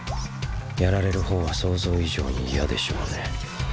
やられる方は想像以上に嫌でしょうね。